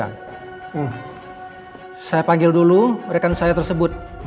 rekan saya saya panggil dulu rekan saya tersebut